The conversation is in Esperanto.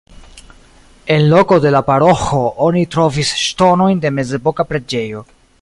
En loko de la paroĥo oni trovis ŝtonojn de mezepoka preĝejo.